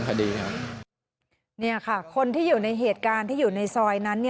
นี่ค่ะคนที่อยู่ในเหตุการณ์ที่อยู่ในซอยนั้น